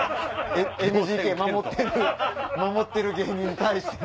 ＮＧＫ守ってる芸人に対して。